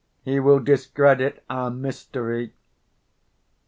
he will discredit our mystery.